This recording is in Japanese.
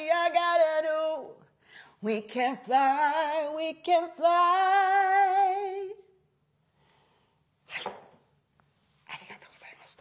やっぱりねはいありがとうございました。